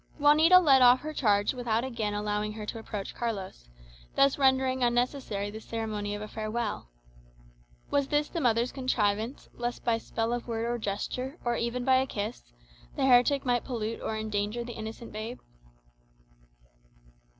Juanita led off her charge without again allowing her to approach Carlos, thus rendering unnecessary the ceremony of a farewell. Was this the mother's contrivance, lest by spell of word or gesture, or even by a kiss, the heretic might pollute or endanger the innocent babe?